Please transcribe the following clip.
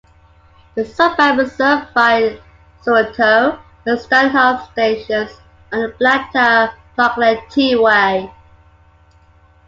The suburb is served by Sorrento and Stanhope stations on the Blacktown-Parklea T-way.